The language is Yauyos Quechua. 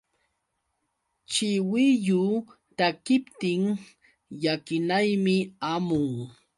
Chiwillu takiptin llakinaymi hamun.